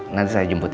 nanti saya jemput ya